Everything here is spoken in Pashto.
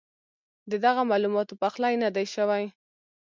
ددغه معلوماتو پخلی نۀ دی شوی